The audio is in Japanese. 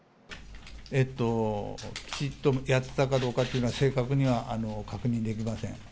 きちっとやってたかどうかっていうのは、正確には確認できません。